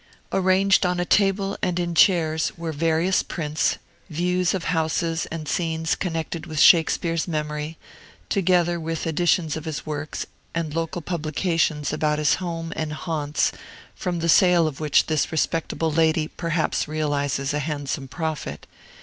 Arranged on a table and in chairs were various prints, views of houses and scenes connected with Shakespeare's memory, together with editions of his works and local publications about his home and haunts, from the sale of which this respectable lady perhaps realizes a handsome profit.